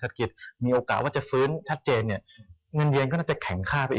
ตอนนี้อันตรายได้เปลี่ยนทีประมาณ๓๗บาท